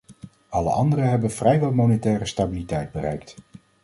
Alle andere hebben vrijwel monetaire stabiliteit bereikt.